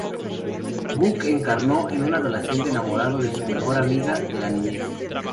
Guk encarnó a un adolescente enamorado de su mejor amiga de la niñez.